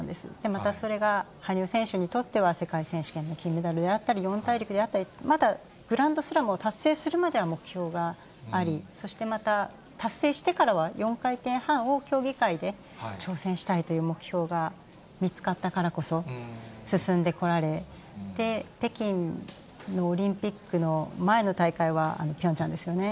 またそれが羽生選手にとっては、世界選手権の金メダルであったり、四大陸であったり、まだグランドスラムを達成するまでは目標があり、そしてまた、達成してからは、４回転半を競技会で挑戦したいという目標が見つかったからこそ、進んでこられて、北京のオリンピックの前の大会はピョンチャンですよね。